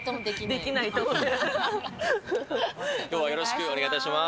きょうはよろしくお願いいたします。